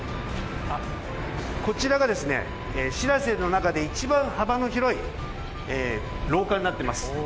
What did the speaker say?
こちらがしらせの中で、一番幅の広い廊下になっています。